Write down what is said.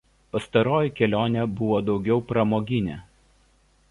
Pastaroji kelionė buvo daugiau pramoginė.